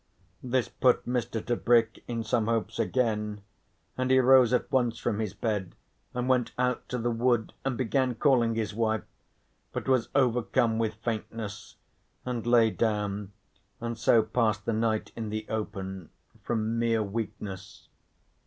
This put poor Mr. Tebrick in some hopes again, and he rose at once from his bed, and went out to the wood and began calling his wife, but was overcome with faintness, and lay down and so passed the night in the open, from mere weakness.